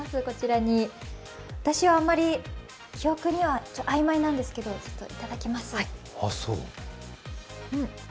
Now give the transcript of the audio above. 私はあんまり記憶はあいまいなんですけど、いただきます。